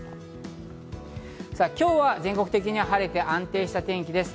今日は全国的に晴れて安定した天気です。